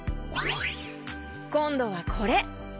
こんどはこれ。